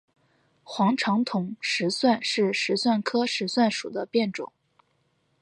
黄长筒石蒜是石蒜科石蒜属的变种。